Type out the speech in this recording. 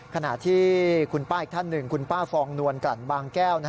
ขณะที่คุณป้าอีกท่านหนึ่งคุณป้าฟองนวลกลั่นบางแก้ว